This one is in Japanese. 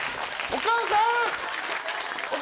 お母さん。